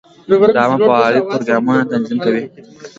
د عامه پوهاوي پروګرامونه تنظیم کړي.